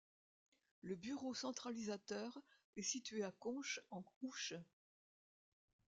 Le bureau centralisateur est situé à Conches-en-Ouche.